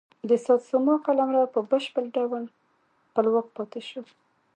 د ساتسوما قلمرو په بشپړ ډول خپلواک پاتې شو.